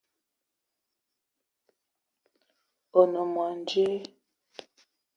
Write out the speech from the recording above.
O ne mo djeue?